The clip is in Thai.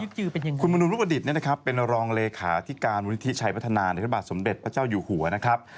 ส่วนตัวยึกยือเป็นยังไงคุณมนูลมุประดิษฐ์เป็นรองเลขาที่การมูลนิธิใช้พัฒนาในพระบาทสมเด็จพระเจ้าอยู่หัวนะครับ